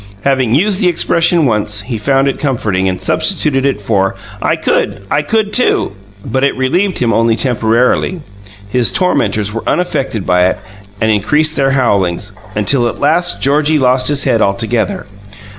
Having used the expression once, he found it comforting, and substituted it for: "I could! I could, too!" But it relieved him only temporarily. His tormentors were unaffected by it and increased their howlings, until at last Georgie lost his head altogether.